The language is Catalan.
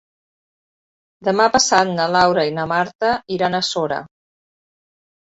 Demà passat na Laura i na Marta iran a Sora.